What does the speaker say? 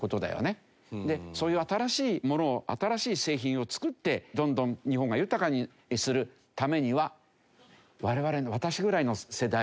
そういう新しいものを新しい製品を作ってどんどん日本が豊かにするためには我々の。